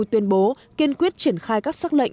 tuyên bố kiên quyết triển khai các sắc lệnh